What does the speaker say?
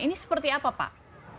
ini seperti apa pak